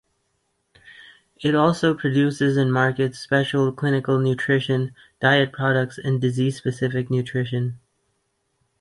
It also produces and markets special clinical nutrition, diet products and disease-specific nutrition.